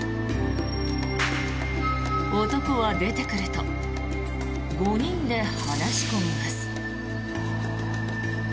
男は出てくると５人で話し込みます。